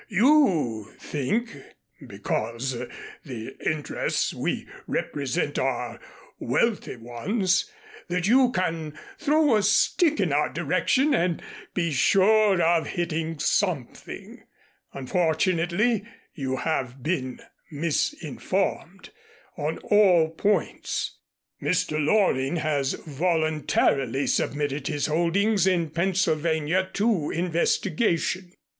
You think, because the interests we represent are wealthy ones, that you can throw a stick in our direction and be sure of hitting something. Unfortunately you have been misinformed on all points. Mr. Loring has voluntarily submitted his holdings in Pennsylvania to investigation.